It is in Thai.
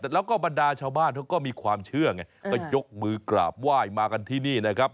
แล้วก็บรรดาชาวบ้านเขาก็มีความเชื่อไงก็ยกมือกราบไหว้มากันที่นี่นะครับ